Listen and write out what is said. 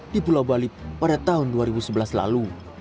di pulau bali pada tahun dua ribu sebelas lalu